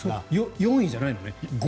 ４位じゃないのね。